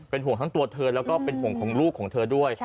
ห่วงทั้งตัวเธอแล้วก็เป็นห่วงของลูกของเธอด้วย